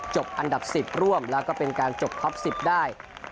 อันดับ๑๐ร่วมแล้วก็เป็นการจบท็อป๑๐ได้